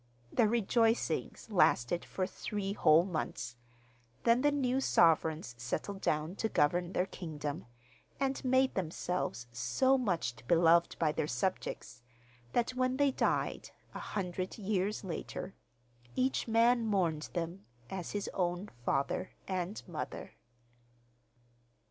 The rejoicings lasted for three whole months, then the new sovereigns settled down to govern their kingdom, and made themselves so much beloved by their subjects, that when they died, a hundred years later, each man mourned them as his own father and mother.